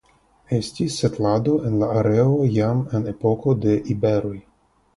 Estis setlado en la areo jam en epoko de iberoj.